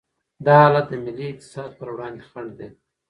دا حالت د ملي اقتصاد پر وړاندې خنډ دی.